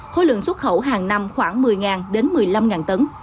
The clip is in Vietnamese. khối lượng xuất khẩu hàng năm khoảng một mươi đến một mươi năm tấn